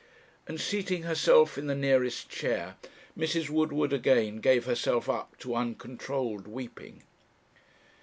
and, seating herself in the nearest chair, Mrs. Woodward again gave herself up to uncontrolled weeping.